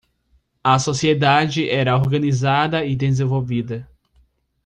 A sociedade era organizada e desenvolvida.